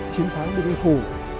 chiến thắng điện biên phủ